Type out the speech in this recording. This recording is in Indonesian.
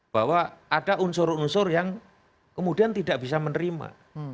bahwa ada unsur unsur yang kemudian tidak bisa menerima